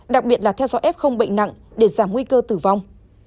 đặc biệt là theo dõi ép không bệnh nặng để giảm nguy cơ tử vong